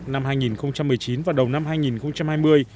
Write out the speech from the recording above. năm hai nghìn một mươi chín và đầu năm hai nghìn hai mươi